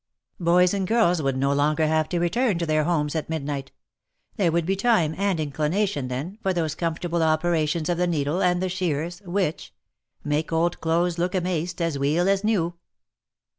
Boys and girls would no longer have to return to their homes at midnight — there would be time and inclination then, for those com fortable operations of the needle and the shears, which ' Make old clothes look amaist as weel as new.'